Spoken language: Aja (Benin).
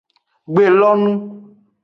Gbelonu.